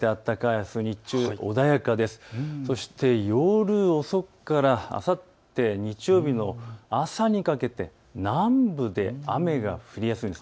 あすは日中、そして夜遅くからあさって日曜日の朝にかけて南部で雨が降りやすいんです。